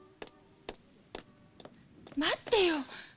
待ってよ。